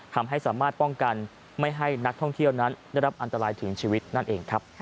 ทำให้สามารถป้องกันไม่ให้นักท่องเที่ยวนั้นได้รับอันตรายถึงชีวิตนั่นเองครับ